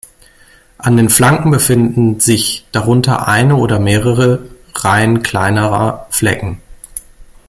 An den Flanken befinden sich darunter eine oder mehrere Reihen kleinerer Flecken.